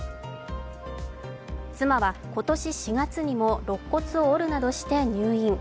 妻は今年４月にもろっ骨を折るなどして入院。